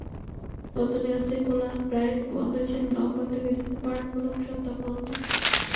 নতুন এলসি খোলা প্রায় বন্ধই ছিল নভেম্বর থেকে ডিসেম্বরের প্রথম সপ্তাহ পর্যন্ত।